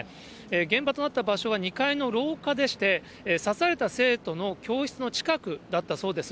現場となった場所は、２階の廊下でして、刺された生徒の教室の近くだったそうです。